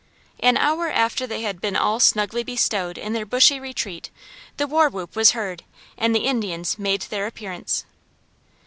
An hour after they had been all snugly bestowed in their bushy retreat, the war whoop was heard and the Indians made their appearance.